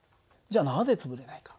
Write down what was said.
じゃあなぜ潰れないか。